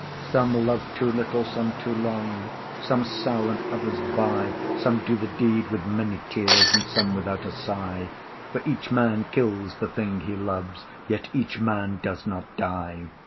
Some love too little, some too long, Some sell, and others buy; Some do the deed with many tears, And some without a sigh: For each man kills the thing he loves, Yet each man does not die.